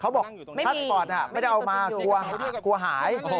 เขาบอกพาสปอร์ตไม่ได้เอามากลัวหาย